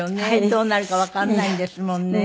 どうなるかわかんないんですもんね。